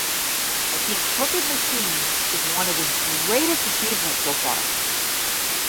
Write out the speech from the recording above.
I think "Crooked Machine" is one of his greatest achievements so far.